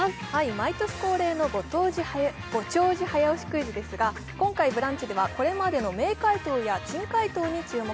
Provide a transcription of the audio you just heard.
毎年恒例の「ご長寿早押しクイズ」ですが今回「ブランチ」ではこれまでの迷解答や珍解答に注目。